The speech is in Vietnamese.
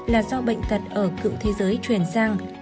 là do bệnh tật ở cựu thế giới chuyển sang